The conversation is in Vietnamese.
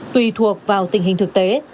tùy thuộc vào tình hình thực tế